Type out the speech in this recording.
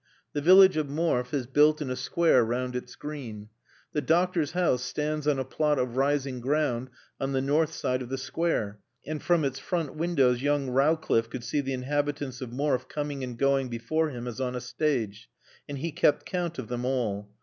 The village of Morfe is built in a square round its green. The doctor's house stands on a plot of rising ground on the north side of the square, and from its front windows young Rowcliffe could see the inhabitants of Morfe coming and going before him as on a stage, and he kept count of them all.